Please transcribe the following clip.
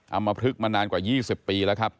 ำมพลึกมานานกว่า๒๐ปีแล้วครับ